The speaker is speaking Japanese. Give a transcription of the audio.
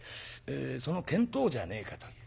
その見当じゃねえかという。